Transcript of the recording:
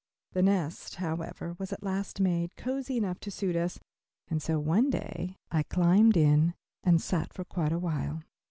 The nest, however, was at last made cozy enough to suit us, and so one day I climbed in it and sat for quite a while.